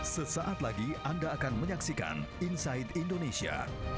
sesaat lagi anda akan menyaksikan inside indonesia